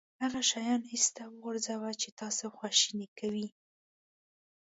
هغه شیان ایسته وغورځوه چې تاسو خواشینی کوي.